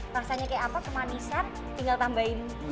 rasanya kayak apa kemanisan tinggal tambahin es batu